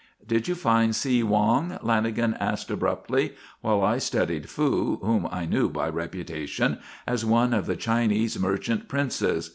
"Did you find See Wong?" Lanagan asked abruptly, while I studied Fu, whom I knew by reputation as one of the Chinese merchant princes.